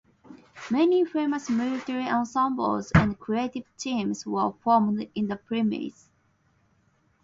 Many famous military ensembles and creative teams were formed in the premises.